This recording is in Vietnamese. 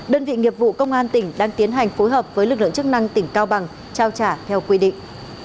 đơn vị nghiệp vụ công an tỉnh đang tiến hành phối hợp với lực lượng chức năng tỉnh cao bằng trao trả theo quy định